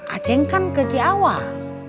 acing kan keji awal